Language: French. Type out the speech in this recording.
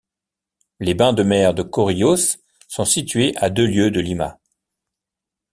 Les bains de mer de Chorillos sont situés à deux lieues de Lima.